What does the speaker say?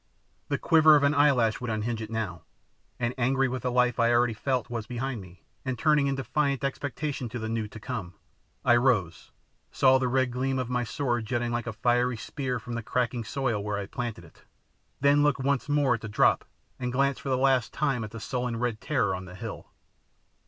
The quiver of an eyelash would unhinge it now; and angry with the life I already felt was behind me, and turning in defiant expectation to the new to come, I rose, saw the red gleam of my sword jutting like a fiery spear from the cracking soil where I had planted it, then looked once more at the drop and glanced for the last time at the sullen red terror on the hill.